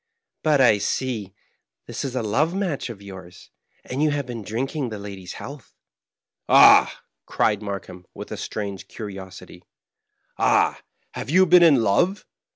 " But I see this is a love match of yours, and you have been drinking the lady's health." "Ahl" cried Markheim, with a strange curiosity, *^ Ah, have you been in love